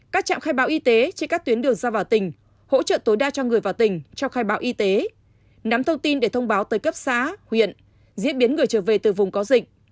các trạm khai báo y tế trên các tuyến đường ra vào tỉnh hỗ trợ tối đa cho người vào tỉnh cho khai báo y tế nắm thông tin để thông báo tới cấp xã huyện diễn biến người trở về từ vùng có dịch